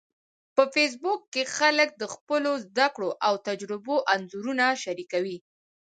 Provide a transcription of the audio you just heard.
په فېسبوک کې خلک د خپلو زده کړو او تجربو انځورونه شریکوي